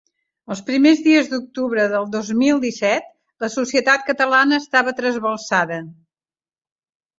Els primers dies d’octubre del dos mil disset la societat catalana estava trasbalsada.